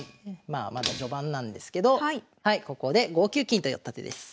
まあまだ序盤なんですけどここで５九金と寄った手です。